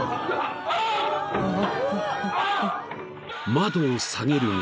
［窓を下げるが］